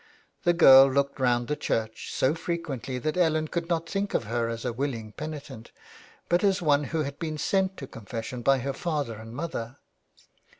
The girl looked round the church so frequently that Ellen could not think of her as a willing penitent, but as one who had been sent to confession by her father and mother.